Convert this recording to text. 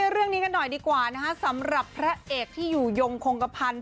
เรื่องนี้กันหน่อยดีกว่านะคะสำหรับพระเอกที่อยู่ยงคงกระพันธ์